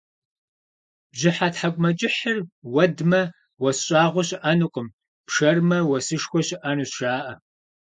Бжьыхьэ тхьэкӏумэкӏыхьыр уэдмэ, уэс щӏагъуэ щыӏэнукъым, пшэрмэ, уэсышхуэ щыӏэнущ, жаӏэ.